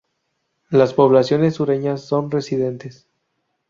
Las poblaciones sureñas son residentes.